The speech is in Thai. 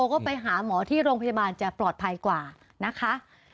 ก็ไปหาหมอที่โรงพยาบาลจะปลอดภัยกว่านะคะ